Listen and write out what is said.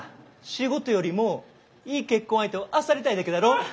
仕事よりもいい結婚相手をあさりたいだけだろ？